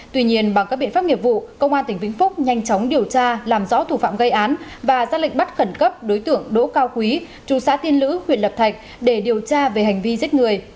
tuy nhiên bằng các biện pháp nghiệp vụ công an tỉnh vĩnh phúc nhanh chóng điều tra làm rõ thủ phạm gây án và ra lệnh bắt khẩn cấp đối tượng đỗ cao quý chú xã tiên lữ huyện lập thạch để điều tra về hành vi giết người